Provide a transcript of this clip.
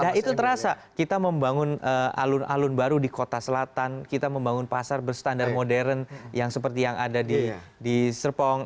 nah itu terasa kita membangun alun alun baru di kota selatan kita membangun pasar berstandar modern yang seperti yang ada di serpong